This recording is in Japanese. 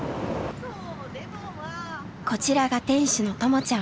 こちらが店主の「ともちゃん」。